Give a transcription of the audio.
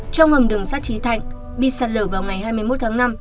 trong hầm đường sắt trí thạnh bị sạt lở vào ngày hai mươi một tháng năm